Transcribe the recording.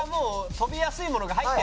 「飛びやすいものって」